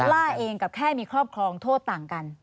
ล่าเองกับแค่มีครอบครองโทษต่างกัน